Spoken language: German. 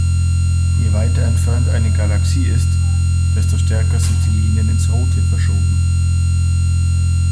Je weiter entfernt eine Galaxie ist, desto stärker sind die Linien ins Rote verschoben.